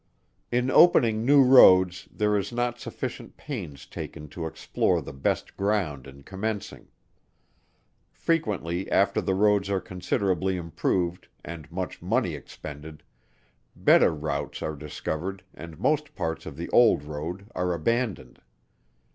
In opening new roads there is not sufficient pains taken to explore the best ground in commencing. Frequently after the roads are considerably improved, and much money expended, better routes are discovered and most parts of the old road are abandoned.